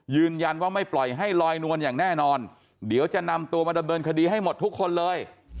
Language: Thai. ยืนยันว่าไม่ปล่อยให้ลอยนวลอย่างแน่นอนเดี๋ยวจะนำตัวมาดำเนินคดีให้หมดทุกคนเลย